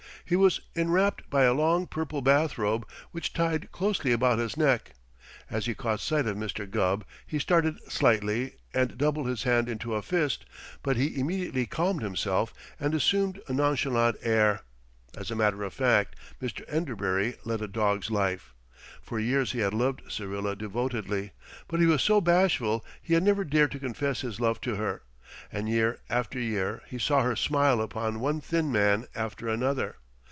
He was enwrapped by a long purple bathrobe which tied closely about his neck. As he caught sight of Mr. Gubb, he started slightly and doubled his hand into a fist, but he immediately calmed himself and assumed a nonchalant air. As a matter of fact, Mr. Enderbury led a dog's life. For years he had loved Syrilla devotedly, but he was so bashful he had never dared to confess his love to her, and year after year he saw her smile upon one thin man after another.